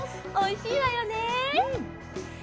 おいしいわよね。